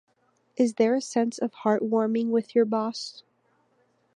Is there a sense of heartwarming with your boss?